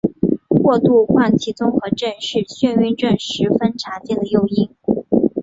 过度换气综合症是晕眩症十分常见的诱因。